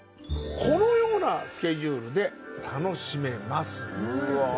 このようなスケジュールで楽しめます。